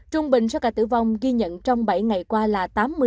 trung bệnh sau cả tử vong ghi nhận trong bảy ngày qua là